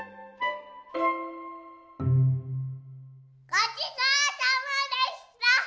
ごちそうさまでした！